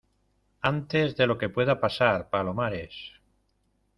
antes de lo que pueda pasar. ¡ palomares!